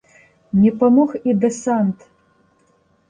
Не памог і дэсант.